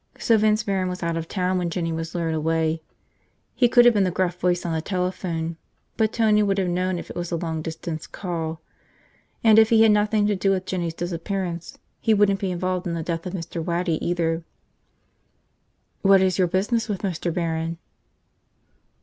So Vince Barron was out of town when Jinny was lured away. He could have been the gruff voice on the telephone, but Tony would have known if it was a long distance call. And if he had nothing to do with Jinny's disappearance, he wouldn't be involved in the death of Mr. Waddy, either. "What is your business with Mr. Barron?"